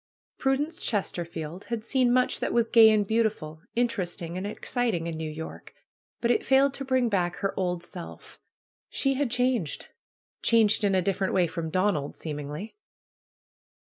Prudence Chesterfield had seen much that was gay and beautiful, interesting and exciting in New York. But it failed to bring back her old self. She had changed; changed in a different way from Donald, seemingly.